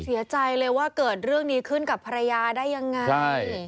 เสียใจเลยว่าเกิดเรื่องนี้ขึ้นกับภรรยาได้ยังไงใช่